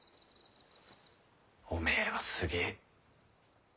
おめぇはすげぇ。